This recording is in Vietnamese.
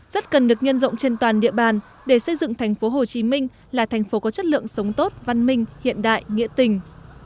rất cần được nhân rộng trên toàn địa bàn để xây dựng thành phố hồ chí minh là thành phố có chất lượng sống tốt văn minh hiện đại nghĩa tình